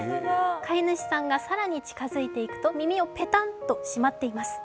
飼い主さんが更に近付いていくと耳をペタンとしまっています。